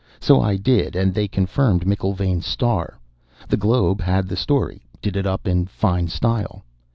So I did, and they confirmed McIlvaine's Star. The Globe had the story, did it up in fine style.